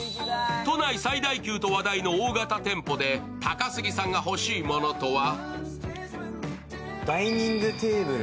都内最大級と話題の大型店舗で高杉さんが欲しいものとは。